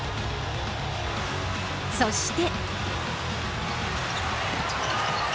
そして。